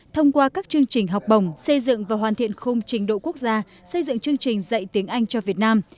thông qua các chương trình học bồng xây dựng và hoàn thiện khung trình độ quốc gia xây dựng chương trình dạy tiếng anh cho việt nam